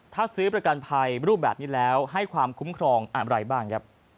ถ้าซื้อประกันภัยรูปแบบนี้แล้วให้ความคุ้มครองอะไรบ้างครับ